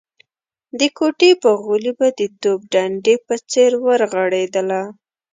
د کوټې په غولي به د توپ ډنډې په څېر ورغړېدله.